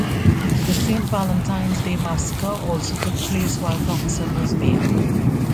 The Saint Valentine's Day Massacre also took place while Thompson was mayor.